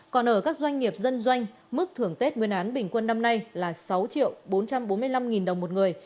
còn ở các doanh nghiệp dân doanh mức thưởng tết nguyên đán bình quân năm nay là sáu bốn trăm bốn mươi năm đồng một người